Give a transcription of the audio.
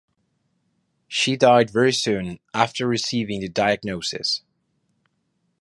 She died very soon after receiving the diagnosis.